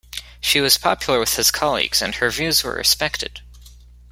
She was popular with his colleagues and her views were respected.